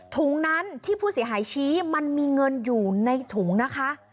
ถุงนั้นที่ผู้เสียหายชี้มันมีเงินอยู่ในถุงนะคะ